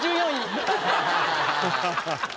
アハハハハ！